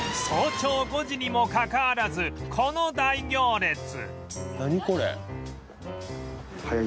早朝５時にもかかわらずこの大行列